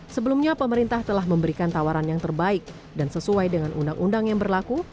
sebelumnya pemerintah telah memberikan tawaran yang terbaik dan sesuai dengan undang undang yang berlaku